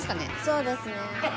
そうですね。